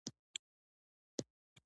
جون یوازې شو او په ځان یې زړه نه سېزېده